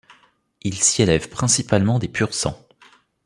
Il s'y élève principalement des Pur-sangs.